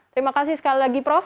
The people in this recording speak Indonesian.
terima kasih sekali lagi prof